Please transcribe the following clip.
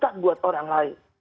tidak membuat orang lain